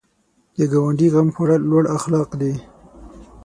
د ګاونډي غم خوړل لوړ اخلاق دي